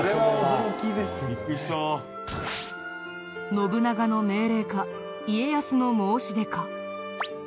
信長の命令か家康の申し出か。